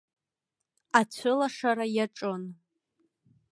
Ацәылашара иаҿын.